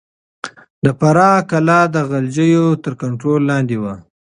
د فراه کلا د غلجيو تر کنټرول لاندې وه.